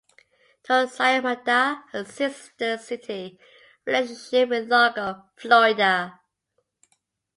Tosayamada has a sister city relationship with Largo, Florida.